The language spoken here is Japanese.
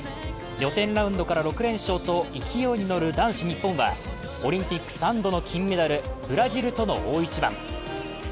予選ラウンドから６連勝と勢いに乗る男子日本はオリンピック３度の金メダル、ブラジルとの大一番。